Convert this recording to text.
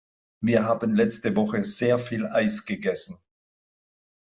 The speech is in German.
Wir haben letzte Woche sehr viel Eis gegessen.